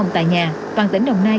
tại nhà toàn tỉnh đồng nai